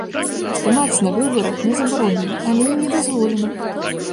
Здымаць на выбарах не забаронена, але і не дазволена.